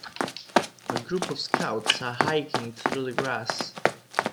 A group of scouts are hiking through the grass.